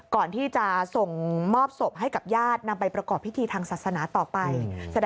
ก่อนที่จะส่งมอบศพให้กับญาตินำไปประกอบพิธีทางศาสนาต่อไป